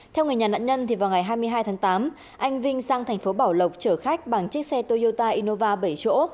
theo người nhà nạn nhân vào ngày hai mươi hai tháng tám anh vinh sang thành phố bảo lộc chở khách bằng chiếc xe toyota innova bảy chỗ